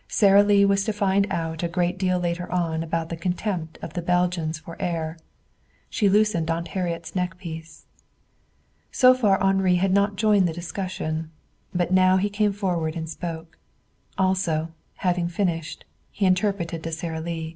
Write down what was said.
Sara Lee was to find out a great deal later on about the contempt of the Belgians for air. She loosened Aunt Harriet's neckpiece. So far Henri had not joined in the discussion. But now he came forward and spoke. Also, having finished, he interpreted to Sara Lee.